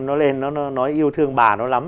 nó lên nó nói yêu thương bà nó lắm